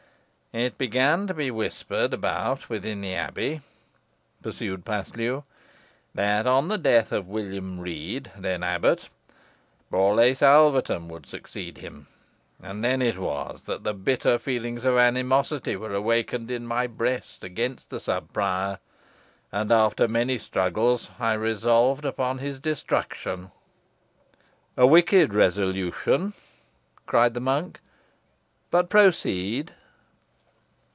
"It began to be whispered about within the abbey," pursued Paslew, "that on the death of William Rede, then abbot, Borlace Alvetham would succeed him, and then it was that bitter feelings of animosity were awakened in my breast against the sub prior, and, after many struggles, I resolved upon his destruction." "A wicked resolution," cried the monk; "but proceed."